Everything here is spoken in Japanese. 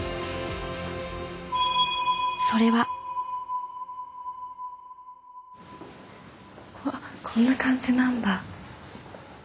それはうわこんな感じなんだ。